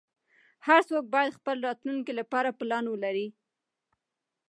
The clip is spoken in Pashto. هر څوک باید خپل راتلونکې لپاره پلان ولری